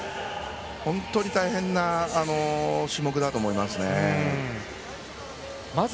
本当に大変な種目だと思います。